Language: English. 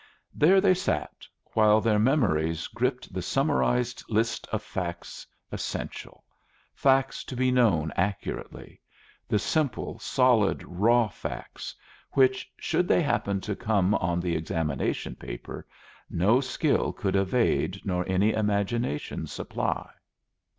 There they sat, while their memories gripped the summarized list of facts essential, facts to be known accurately; the simple, solid, raw facts, which, should they happen to come on the examination paper, no skill could evade nor any imagination supply.